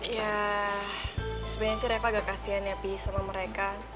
ya sebenarnya sih refa agak kasian ya pi sama mereka